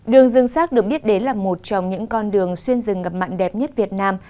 đường dương sác được biết đến là một trong những con đường xuyên rừng gặp mạng đẹp nhất việt nam